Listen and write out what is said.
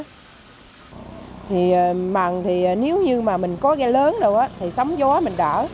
thì mần thì nếu như mà mình có ghe lớn đâu á thì sóng gió mình đỡ